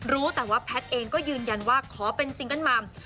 รู้แต่ว่าแพทย์เองก็ยืนยันว่าขอเป็นซิงเกิ้ลมัม